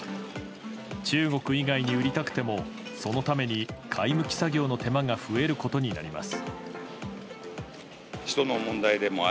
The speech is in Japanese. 中国以外に売りたくてもそのために貝むき作業の手間が増えることになります。